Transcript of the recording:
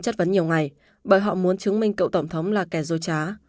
chất vấn nhiều ngày bởi họ muốn chứng minh cựu tổng thống là kẻ dối trá